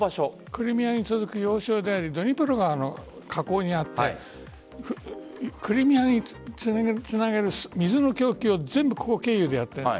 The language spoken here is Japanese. クリミアに続く要衝でありドニプロ側の河口にあってクリミアにつなげる水の供給は全部ここ経由でやっている。